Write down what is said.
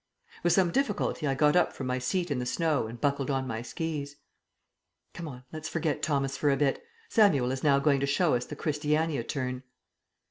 With some difficulty I got up from my seat in the snow and buckled on my skis. "Come on, let's forget Thomas for a bit. Samuel is now going to show us the Christiania Turn."